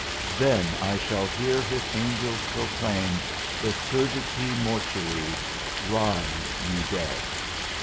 Then I shall hear his angels proclaim the Surgite mortui, Rise, ye dead.